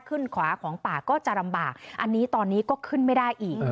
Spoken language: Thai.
ขวาของป่าก็จะลำบากอันนี้ตอนนี้ก็ขึ้นไม่ได้อีก